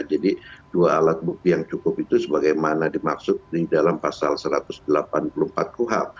jadi dua alat bukti yang cukup itu sebagaimana dimaksud di dalam pasal satu ratus delapan puluh empat kuh